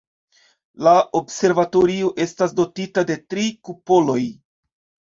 La observatorio estas dotita de tri kupoloj.